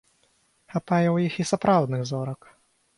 Хапае ў іх і сапраўдных зорак.